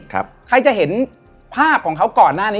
ใครจะเห็นภาพของเขาก่อนหน้านี้